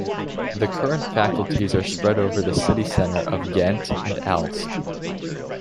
The current faculties are spread over the city center of Ghent and Aalst.